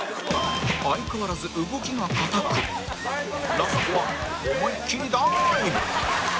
相変わらず動きが硬くラストは思いっきりダーイブ！